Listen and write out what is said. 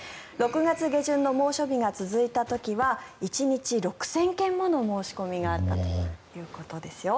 ６月下旬の猛暑日が続いた時には１日６０００件もの申し込みがあったということですよ。